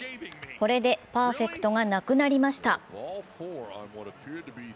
これでパーフェクトがなくなりました。